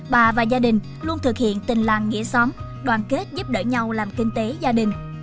bà và gia đình luôn thực hiện tình làng nghĩa xóm đoàn kết giúp đỡ nhau làm kinh tế gia đình